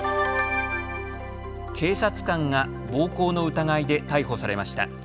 警察官が暴行の疑いで逮捕されました。